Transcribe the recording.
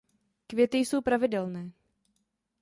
Květy jsou pravidelné.